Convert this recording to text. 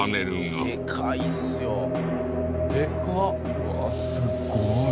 うわあすごい。